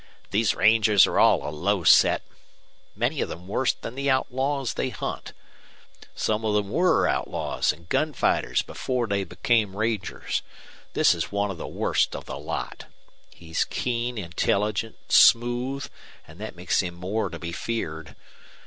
"These rangers are all a low set, many of them worse than the outlaws they hunt. Some of them were outlaws and gun fighters before they became rangers. This is one of the worst of the lot. He's keen, intelligent, smooth, and that makes him more to be feared.